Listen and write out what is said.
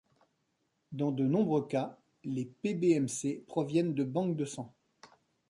Dans de nombreux cas, les Pbmc proviennent de banques de sang.